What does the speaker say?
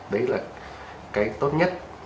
đấy là cái tốt nhất